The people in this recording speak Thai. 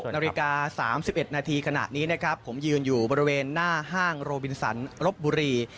นาฬิกา๓๑นาทีขณะนี้นะครับผมยืนอยู่บริเวณหน้าห้างโรบินสันรบบุรี